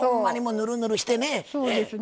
ぬるぬるしてね。